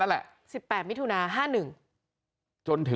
กลับไปลองกลับ